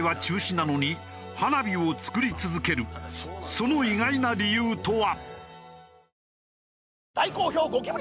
その意外な理由とは？